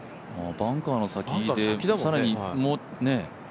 バンカーの先で、更に。